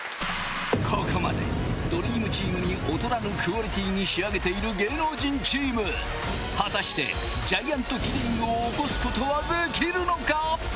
ここまでドリームチームに劣らぬクオリティーに仕上げている芸能人チーム果たしてジャイアントキリングを起こすことはできるのか？